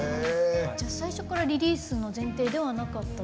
最初からリリースの前提ではなかった？